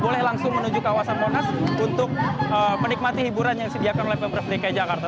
boleh langsung menuju kawasan monas untuk menikmati hiburan yang disediakan oleh pemprov dki jakarta